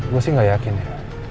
gue sih gak yakin ya